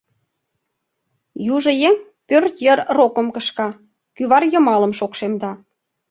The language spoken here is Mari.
Южо еҥ пӧрт йыр рокым кышка, кӱвар йымалым шокшемда.